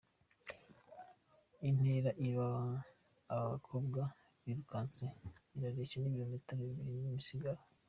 Intera aba bakobwa birukanse irareshya n’ibirometero bibiri n’imisago.